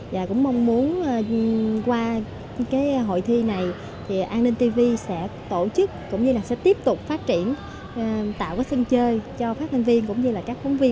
và cũng mong muốn qua cái hội thi này thì an ninh tv sẽ tổ chức cũng như là sẽ tiếp tục phát triển tạo cái sân chơi cho các nhân viên cũng như là các phóng viên